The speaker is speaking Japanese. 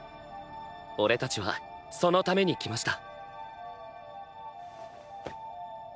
俺たちはそのために来ました。